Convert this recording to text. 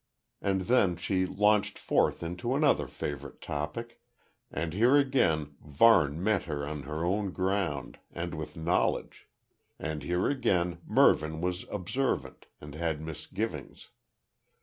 And then she launched forth into another favourite topic, and here again Varne met her on her own ground, and with knowledge. And here again Mervyn was observant, and had misgivings.